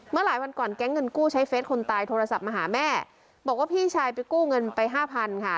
หลายวันก่อนแก๊งเงินกู้ใช้เฟสคนตายโทรศัพท์มาหาแม่บอกว่าพี่ชายไปกู้เงินไปห้าพันค่ะ